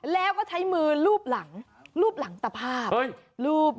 แล้วก็ใช้มือลูบหลังรูปหลังตะภาพลูบ